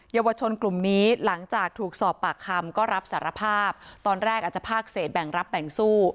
เยาวชนกลุ่มนี้หลังจากถูกสอบปากคำก็รับสารภาพตอนแรกอาจจะภาคเศษแบ่งรับแบ่งสู้